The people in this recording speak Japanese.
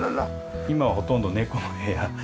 今はほとんど猫の部屋に。